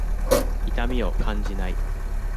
痛みを感じない。